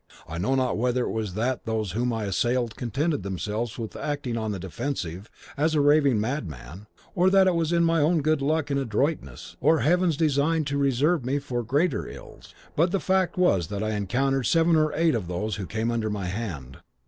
I know not whether it was that those whom I assailed contented themselves with acting on the defensive as against a raving madman, or that it was my own good luck and adroitness, or Heaven's design to reserve me for greater ills, but the fact was that I wounded seven or eight of those who came under my hand.